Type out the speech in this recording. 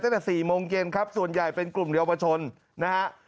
ตั้งแต่๔โมงเย็นครับส่วนใหญ่เป็นกลุ่มเยาวชนนะฮะ